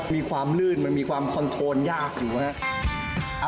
มีความลื่นมันมีความคอนโทนยากอยู่นะครับ